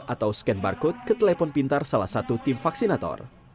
atau scan barcode ke telepon pintar salah satu tim vaksinator